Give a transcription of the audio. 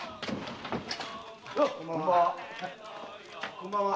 こんばんは。